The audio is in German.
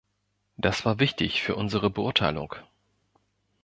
Das war wichtig für unsere Beurteilung.